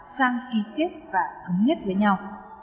sang ký kết và cấm nhất với nhau